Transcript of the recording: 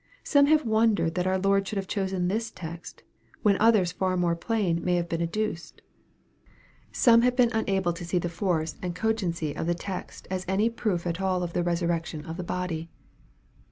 Some have wondered that our Lord should have chosen this text, when others far more plain might have been adduced. Some have been unable to see the force and cogency of the text as any proof at all of the resurrection of the body.